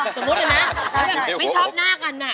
สมมตินะไม่ชอบหน้ากันนะ